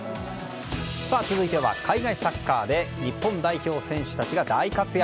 続いては、海外サッカーで日本代表選手たちが大活躍。